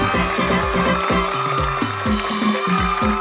มาร่าเพลง